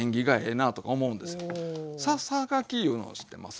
ささがきいうのをしてます。